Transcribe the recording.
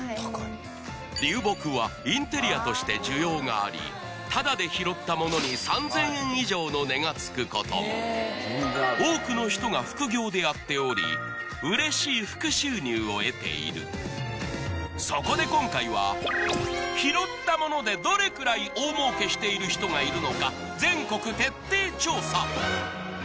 流木はインテリアとして需要がありタダで拾ったものに３０００円以上の値が付くことも多くの人が副業でやっておりうれしい副収入を得ているそこで今回は拾ったものでどれくらい大儲けしている人がいるのか全国徹底調査